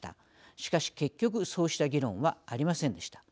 しかし、結局そうした議論はありませんでした。